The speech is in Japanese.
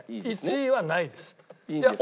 １位はないです。